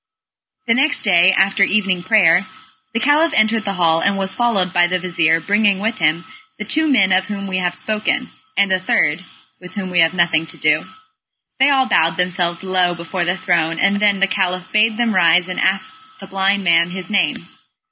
The next day, after evening prayer, the Caliph entered the hall, and was followed by the vizir bringing with him the two men of whom we have spoken, and a third, with whom we have nothing to do. They all bowed themselves low before the throne and then the Caliph bade them rise, and ask the blind man his name.